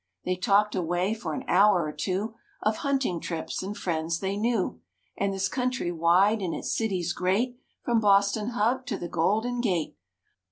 They talked away for an hour or two Of hunting trips and friends they knew. And this country wide and its cities great From Boston Hub to the Golden Gate.